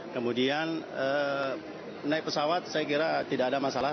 kemudian naik pesawat saya kira tidak ada masalah